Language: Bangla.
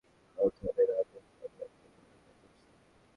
ওখানে রাজেশ নামের এক লোক অপেক্ষা করছে।